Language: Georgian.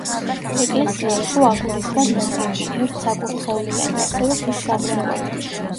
ეკლესია იყო აგურისგან ნაგები, ერთსაკურთხევლიანი, ასევე ხის სამრეკლოთი.